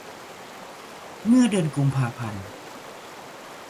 เมื่อเดือนกุมภาพันธ์